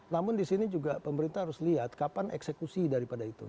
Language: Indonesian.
namun di sini juga pemerintah harus lihat kapan eksekusi daripada itu